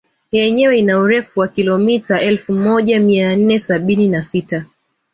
Yenyewe ina urefu wa kilomita elfu moja mia nne sabini na sita